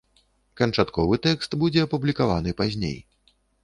Канчатковы тэкст будзе апублікаваны пазней.